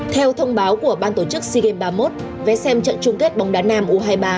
theo thông báo của ban tổ chức sea games ba mươi một vé xem trận chung kết bóng đá nam u hai mươi ba